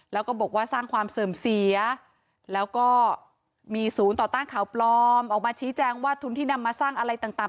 แล้วก็มีศูนย์ต่อต้านข่าวปลอมออกมาชี้แจ้งว่าทุนที่นำมาสร้างอะไรต่าง